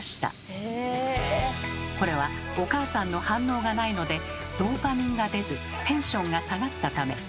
これはお母さんの反応がないのでドーパミンが出ずテンションが下がったため。